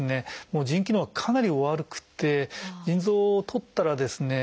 もう腎機能がかなりお悪くて腎臓をとったらですね